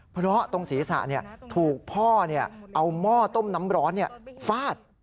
เพราะตรงศีรษะถูกพ่อเอาหม้อต้มน้ำร้อนฟาด